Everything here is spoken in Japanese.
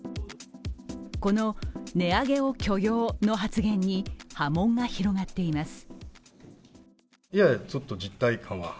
この「値上げを許容」の発言に波紋が広がっています。